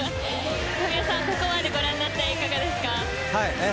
神尾さん、ここまでご覧になっていかがですか。